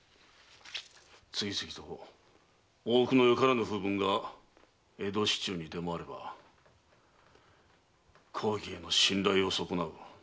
次々と大奥のよからぬ風聞が江戸市中に広まれば公儀への信頼を損なう。